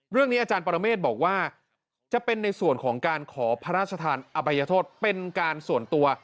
อาจารย์ปรเมฆบอกว่าจะเป็นในส่วนของการขอพระราชทานอภัยโทษเป็นการส่วนตัว